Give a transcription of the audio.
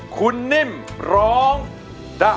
คุณนิ่มร้องได้